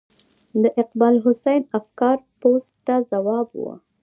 د اقبال حسین افګار پوسټ ته ځواب و.